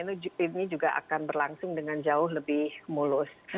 jadi itu juga akan berlangsung dengan jauh lebih mulus